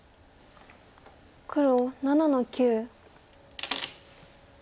黒７の九。